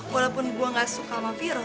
walaupun gue ga suka sama viro